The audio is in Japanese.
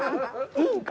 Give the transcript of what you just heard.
いいんか？